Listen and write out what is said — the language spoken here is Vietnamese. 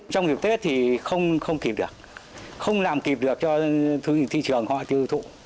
trong dịp tết thì không kịp được không làm kịp được cho thị trường hoặc thư thụ